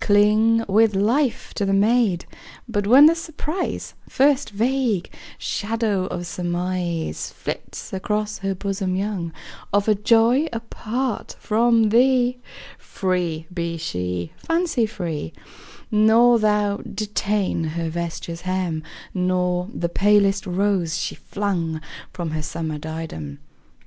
Cling with life to the maid; But when the surprise, First vague shadow of surmise Flits across her bosom young, Of a joy apart from thee, Free be she, fancy free; Nor thou detain her vesture's hem, Nor the palest rose she flung From her summer diadem.